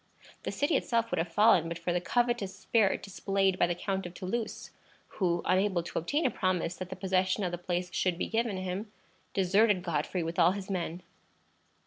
The city itself would have fallen but for the covetous spirit displayed by the Count of Toulouse, who, unable to obtain a promise that the possession of the place should be given him, deserted Godfrey with all his men.